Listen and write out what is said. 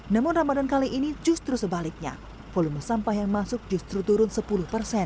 namun ramadan kali ini justru sebaliknya volume sampah yang masuk justru turun sepuluh persen